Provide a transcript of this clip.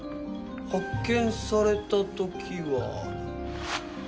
発見された時は。